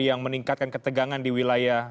yang meningkatkan ketegangan di wilayah